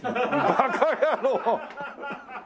バカ野郎！